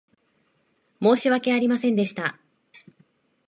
申し訳ありませんでした。